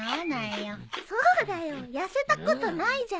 そうだよ痩せたことないじゃん。